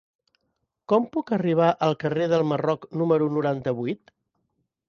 Com puc arribar al carrer del Marroc número noranta-vuit?